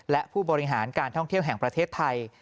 และผู้บริหารการท่องเที่ยวแห่งประเทศไทย